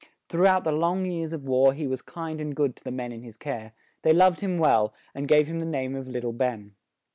Through the long years of war, he was kind and good to the men in his care; they loved him well, and gave him the name of "Little Ben."